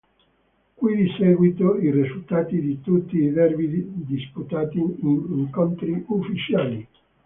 Qui di seguito i risultati di tutti i derby disputati in incontri ufficiali.